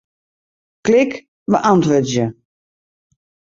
Klik Beäntwurdzje.